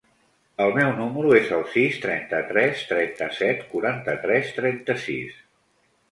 El meu número es el sis, trenta-tres, trenta-set, quaranta-tres, trenta-sis.